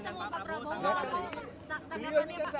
ngapain aja nanti pak jelasin